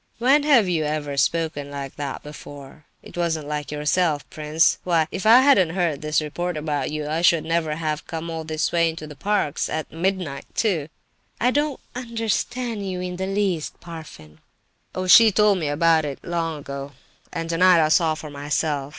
"When have you ever spoken like that before? It wasn't like yourself, prince. Why, if I hadn't heard this report about you, I should never have come all this way into the park—at midnight, too!" "I don't understand you in the least, Parfen." "Oh, she told me all about it long ago, and tonight I saw for myself.